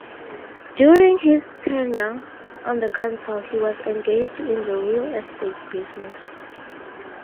During his tenure on the council he was engaged in the real estate business.